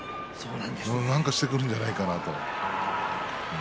何かしてくるんじゃないかと。